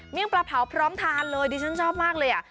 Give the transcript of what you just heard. มี่ยงปลาเผาพร้อมทานเลยดิฉันชอบมากเลยอ่ะ